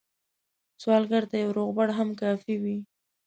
سوالګر ته یو روغبړ هم کافي وي